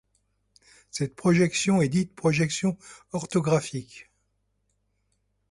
Cette projection est dite projection orthographique.